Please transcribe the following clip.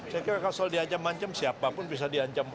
saya kira kalau soal diancam ancam siapapun bisa diancam